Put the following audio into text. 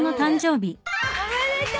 おめでとう！